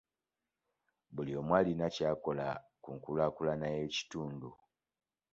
Buli omu alina ky'akola ku nkulaakulana y'ekitundu.